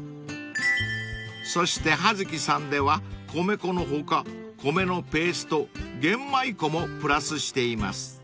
［そしてはづきさんでは米粉の他米のペースト玄米粉もプラスしています］